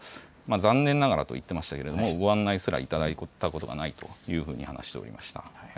残念ながらと言ってましたけれども、ご案内すら頂いたことがないという話をしておりました。